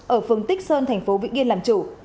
ở phường tích sơn thành phố vĩnh yên làm chủ